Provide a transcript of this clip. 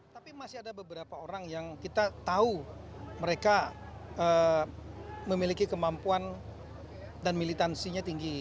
tapi masih ada beberapa orang yang kita tahu mereka memiliki kemampuan dan militansinya tinggi